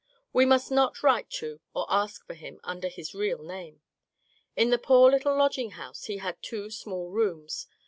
We must not write to or ask for him under his real name. In the poor little lodging house he had two small rooms.